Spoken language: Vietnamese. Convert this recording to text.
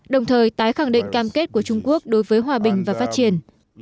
đồng thời tái khẳng định cam kết của trung quốc đối với hòa bình và phát triển